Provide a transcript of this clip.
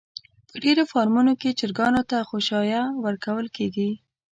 په ډېرو فارمونو کې چرگانو ته خؤشايه ورکول کېږي.